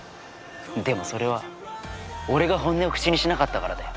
でもそれは俺が本音を口にしなかったからだよ。